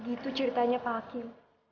begitu ceritanya pak hakim